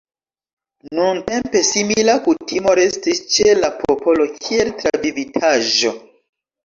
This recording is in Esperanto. Nuntempe simila kutimo restis ĉe la popolo, kiel travivitaĵo.